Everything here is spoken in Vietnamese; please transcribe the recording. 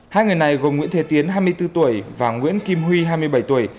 hai người này gồm nguyễn thế tiến hai mươi bốn tuổi và nguyễn kim huy hai mươi bảy tuổi